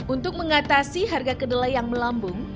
untuk mengatasi harga kedelai yang melambung